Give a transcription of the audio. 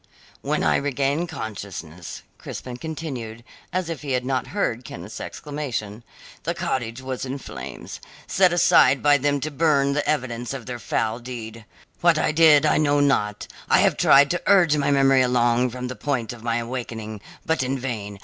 "When I regained consciousness," Crispin continued, as if he had not heard Kenneth's exclamation, "the cottage was in flames, set alight by them to burn the evidence of their foul deed. What I did I know not. I have tried to urge my memory along from the point of my awakening, but in vain.